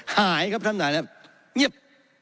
หายครับทั้งนายนะครับเงียบ